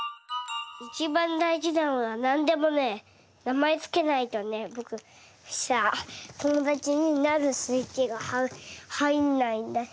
いちばんだいじなのはなんでもねなまえつけないとねぼくさともだちになるスイッチがはいんないんだよ。